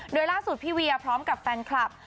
โดยล่าสุดพี่เวียพร้อมกับแฟนคลับ